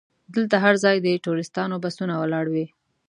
دلته هر ځای د ټوریستانو بسونه ولاړ وي.